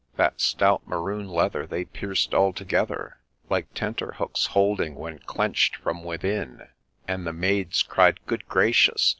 That stout maroon leather, they pierced altogether, Like tenter hooks holding when clench'd from within, A LAY OF ST. GENGULPHUS 151 And the maids cried ' Good gracious